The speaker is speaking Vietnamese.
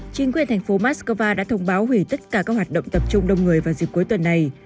chính quyền thành phố moscow đã thông báo hủy tất cả các hoạt động tập trung đông người vào dịp cuối tuần này